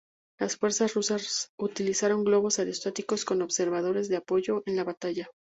Las fuerzas rusas utilizaron globos aerostáticos con observadores de apoyo en la batalla.